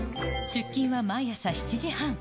出勤は毎朝７時半。